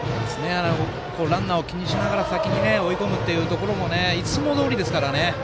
ランナーを気にしながら先に追い込むところもいつもどおりですからね。